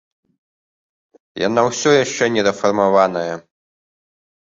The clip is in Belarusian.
Яна ўсё яшчэ не рэфармаваная.